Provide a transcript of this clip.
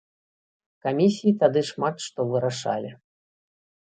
Камісіі тады шмат што вырашалі.